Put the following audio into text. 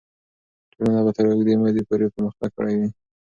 ټولنه به تر اوږدې مودې پورې پرمختګ کړی وي.